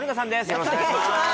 よろしくお願いします